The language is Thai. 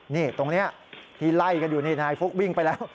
นี่ตรงนี้ที่ไล่กันอยู่นี่นายฟุ๊กวิ่งไปแล้ว